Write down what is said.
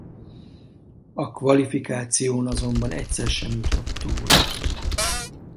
A kvalifikáción azonban egyszer sem jutott túl.